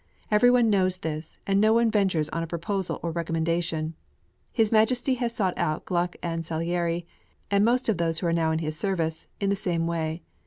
Every one knows this, and no one ventures on a proposal or recommendation. His Majesty has sought out Gluck and Salieri, and most of those who are now in his service, in the same way.